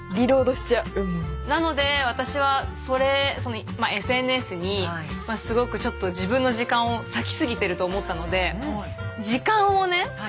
なので私はそれＳＮＳにすごくちょっと自分の時間を割き過ぎてると思ったので時間をね